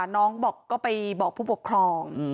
น้องบอกก็ไปบอกผู้ปกครอง